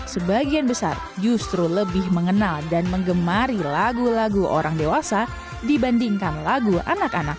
sebagian besar justru lebih mengenal dan mengemari lagu lagu orang dewasa dibandingkan lagu anak anak